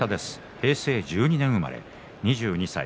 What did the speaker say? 平成２２年生まれ２２歳。